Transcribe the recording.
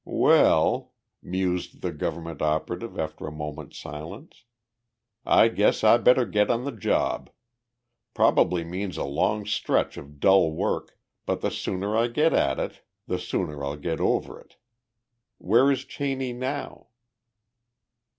"Well," mused the government operative after a moment's silence, "I guess I better get on the job. Probably means a long stretch of dull work, but the sooner I get at it the sooner I'll get over it. Where is Cheney now?"